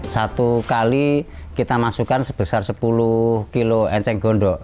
satu kali kita masukkan sebesar sepuluh kg eceng gondok